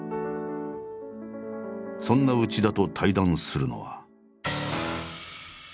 そんな内田と対談するのは。